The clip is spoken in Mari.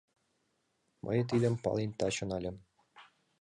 Мый тидым пален таче нальым —